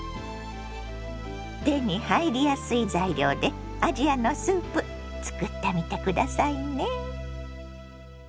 手に入りやすい材料でアジアのスープ作ってみて下さいね。